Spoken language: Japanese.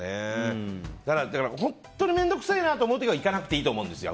本当に面倒くさいなって時は行かなくていいと思うんですよ。